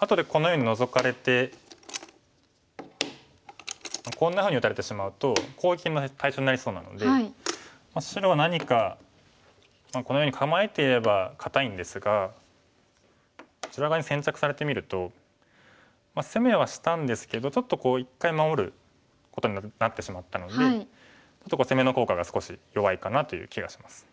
あとでこのようにノゾかれてこんなふうに打たれてしまうと攻撃の対象になりそうなので白は何かこのように構えていれば堅いんですがこちら側に先着されてみると攻めはしたんですけどちょっと一回守ることになってしまったのでちょっと攻めの効果が少し弱いかなという気がします。